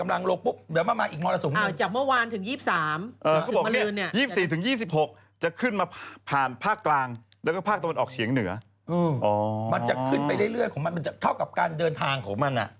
มันจะขึ้นไปเรื่อยของมันมันจะเท่ากับการเดินทางของมัน